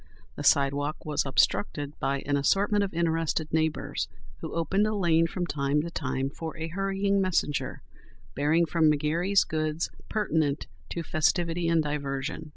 The sidewalk was obstructed by an assortment of interested neighbours, who opened a lane from time to time for a hurrying messenger bearing from McGary's goods pertinent to festivity and diversion.